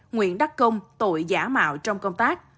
nguyễn đắc công tội giả mạo trong công tác